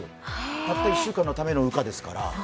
たった１週間のための羽化ですから。